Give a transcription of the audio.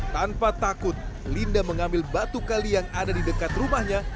tanpa takut linda mengambil batu kali yang ada di dekat rumahnya